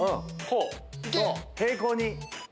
そう平行に。